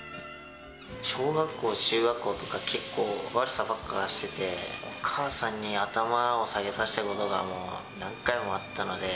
小学校、中学校とか結構、悪さばっかしてて、母さんに頭を下げさせたことが、もう何回もあったので。